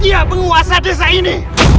dia penguasa desa ini